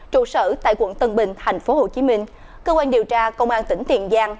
trụ sở tại quận tân bình tp hcm cơ quan điều tra công an tỉnh tiền giang